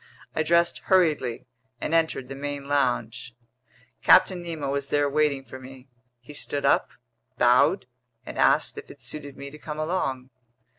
I dressed hurriedly and entered the main lounge. Captain Nemo was there waiting for me. He stood up, bowed, and asked if it suited me to come along.